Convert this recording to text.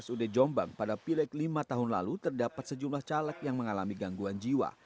namun setelah mendapatkan pilihan di dalam pilihan lima tahun lalu terdapat sejumlah caleg yang mengalami gangguan jiwa